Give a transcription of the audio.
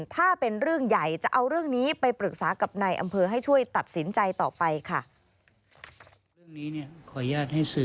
ถ้าเป็นเรื่องใหญ่จะเอาเรื่องนี้ไปปรึกษากับนายอำเภอให้ช่วยตัดสินใจต่อไปค่ะ